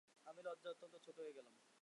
আমি লজ্জায় অত্যন্ত ছোটো হয়ে গেলুম।